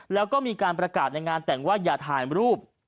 แล้วก็มีการประกาศในงานแต่งว่าอย่าถ่ายรูป